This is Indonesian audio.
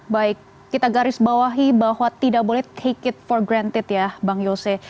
baik kita garis bawahi bahwa tidak boleh take it for granted ya bang yose